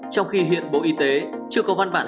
trong khi hiện bộ y tế chưa có văn bản